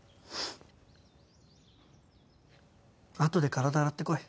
あとで体洗ってこい。